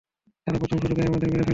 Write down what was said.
তারা প্রথম সুযোগেই আমাদের মেরে ফেলবে।